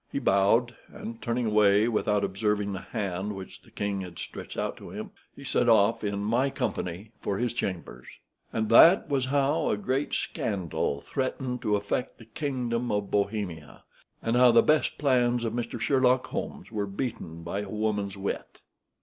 He bowed, and turning away without observing the hand which the king had stretched out to him, he set off in my company for his chambers. And that was how a great scandal threatened to affect the kingdom of Bohemia, and how the best plans of Mr. Sherlock Holmes were beaten by a woman's wit.